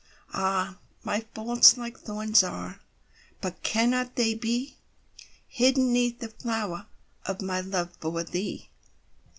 Ah! my faults like thorns are, But cannot they be Hidden 'neath the flower Of my love for thee?